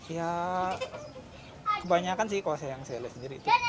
ya kebanyakan sih kalau saya yang sales sendiri